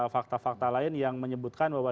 fakta fakta lain yang menyebutkan bahwa